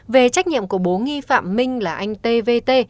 về trách nhiệm của bố nghi phạm minh là anh t v t